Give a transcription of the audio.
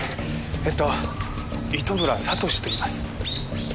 えっと糸村聡と言います。